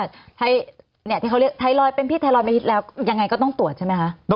ที่เขาเรียกไทรอยด์เป็นพิษไทรอยดิตแล้วยังไงก็ต้องตรวจใช่ไหมคะ